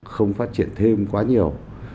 không phát triển thêm quá nhiều